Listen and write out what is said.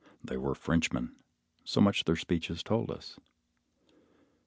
They were Frenchmen. So much their speech has told us.